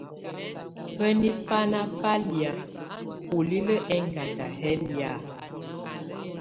Hǝ́niǝ banà ba lɛ̀á bulilǝ́ ɛŋganda yɛ̀ lɛ̀á?